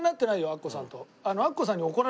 アッコさんと。